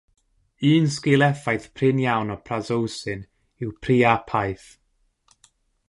Un sgil-effaith prin iawn o prazosin yw priapaeth.